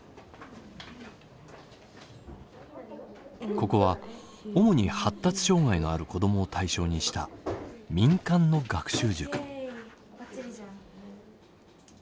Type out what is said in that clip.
ここは主に発達障害のある子どもを対象にした民間の学習塾。